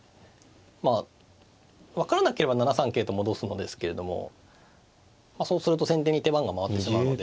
まあ分からなければ７三桂と戻すのですけれどもそうすると先手に手番が回ってしまうので。